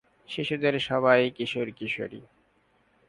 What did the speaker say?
শিশুদের সবাই কিশোর কিশোরী।